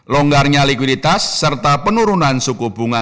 longgarnya likuiditas serta penurunan suku bunga